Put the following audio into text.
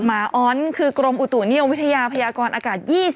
หม่าอ้อนคือกลมอุตุเงียววิทยาพยากรอากาศ